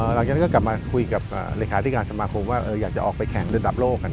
หลังจากนั้นก็กลับมาคุยกับเลขาธิการสมาคมว่าอยากจะออกไปแข่งระดับโลกกัน